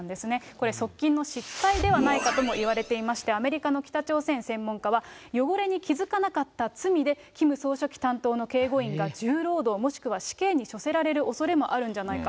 これ、側近の失態ではないかといわれていまして、アメリカの北朝鮮専門家は、汚れに気付かなかった罪で、キム総書記担当の警護員が重労働、もしくは死刑に処せられるおそれもあるんじゃないか。